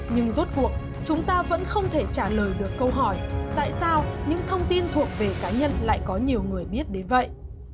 nhưng rốt cuộc chúng ta vẫn không thể trả lời được câu hỏi tại sao những thông tin thuộc về cá nhân lại có nhiều người biết đến vậy